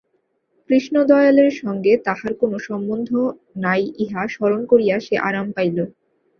কৃষ্ণদয়ালের সঙ্গে তাহার কোনো সম্বন্ধ নাই ইহা স্মরণ করিয়া সে আরাম পাইল।